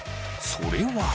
それは。